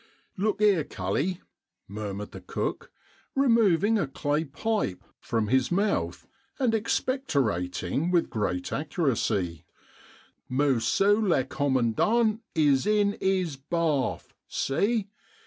" Look here, cully," murmured the cook, removing a clay pipe from his mouth and expectorating with great accuracy ;" moosoo le commondant is in 'is bath — see.